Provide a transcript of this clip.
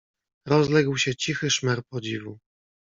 "Rozległ się cichy szmer podziwu."